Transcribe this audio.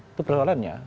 itu persoalan ya